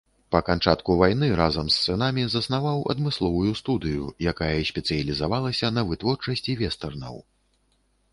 Па канчатку вайны разам з сынамі заснаваў адмысловую студыю, якая спецыялізавалася на вытворчасці вестэрнаў.